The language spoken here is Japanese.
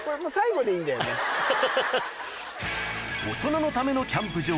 大人のためのキャンプ場